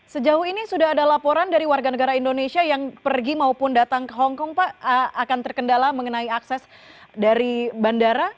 sejauh ini sudah ada laporan dari warga negara indonesia yang pergi maupun datang ke hongkong pak akan terkendala mengenai akses dari bandara